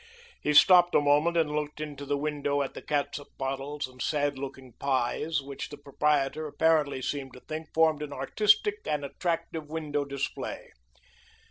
He stopped a moment and looked into the window at the catsup bottles and sad looking pies which the proprietor apparently seemed to think formed an artistic and attractive window display.